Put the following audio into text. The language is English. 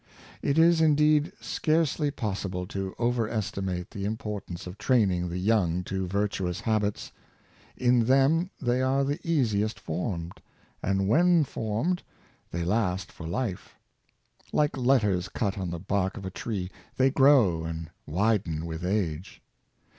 It is indeed scarcely possible to over estimate the im portance of training the young to virtuous habits. In them they are the easiest formed, and when formed, they last for life; like letters cut on the bark of a tree, they grow and widen with age.